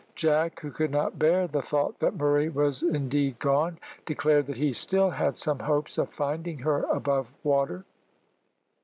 Jack, who could not bear the thought that Murray was indeed gone, declared that he still had some hopes of finding her above water.